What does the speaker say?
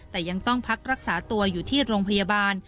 แต่ยังต้องพักรักษาตัวอยู่ที่โรงพยาบาล